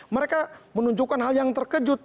mereka menunjukkan hal yang terkejut